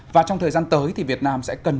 và trong thời gian tới thì việt nam sẽ cần